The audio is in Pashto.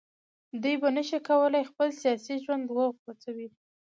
دوی به نه شي کولای خپل سیاسي ژوند وغځوي